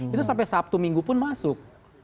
itu sampai sabtu minggu pun masuk